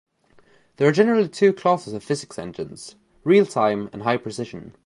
There are generally two classes of physics engines: real-time and high-precision.